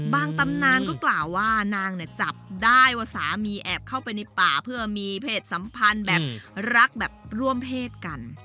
ตำนานก็กล่าวว่านางจับได้ว่าสามีแอบเข้าไปในป่าเพื่อมีเพศสัมพันธ์แบบรักแบบร่วมเพศกัน